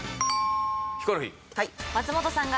ヒコロヒー。